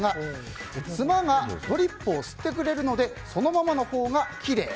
ツマがドリップを吸ってくれるのでそのままのほうがきれい。